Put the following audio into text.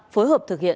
phối hợp thực hiện